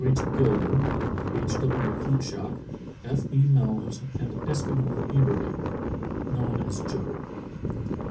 H. Gilder, H. W. Klutschak, F. E. Melms, and Eskimo Ebierbing, known as Joe (see p.